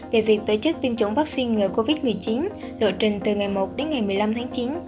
về việc tổ chức tiêm chủng vaccine ngừa covid một mươi chín lộ trình từ ngày một đến ngày một mươi năm tháng chín